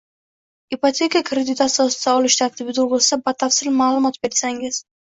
ipoteka krediti asosida olish tartibi to‘g‘risida batafsil ma’lumot bersangiz?